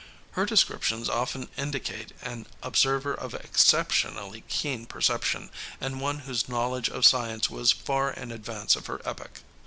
Her descriptions often indicate an observer of exceptionally keen perception and one whose knowledge of science was far in advance of her epoch.